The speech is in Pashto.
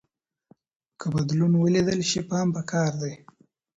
که بدلون ولیدل شي پام پکار دی.